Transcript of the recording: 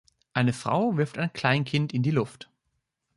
Eine Frau wirft ein Kleinkind in die Luft.